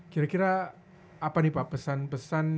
kira kira apa nih pak pesan pesan